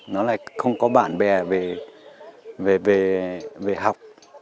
nó lại không có bạn bè về học